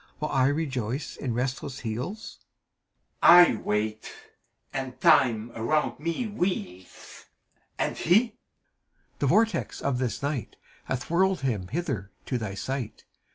While I rejoice in restless heels t ACT IL M MANTO. I waity and Time around me wheels. And hef CHIRON. The vortex of this night Hath whirled him hither to thy sight.